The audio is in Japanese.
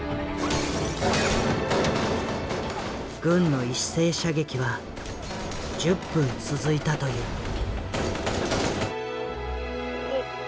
軍の一斉射撃は１０分続いたという。